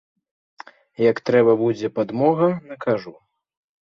Як трэба будзе падмога, накажу.